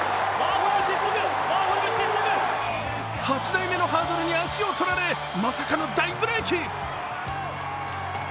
８台目のハードルに足を取られまさかの大ブレーキ。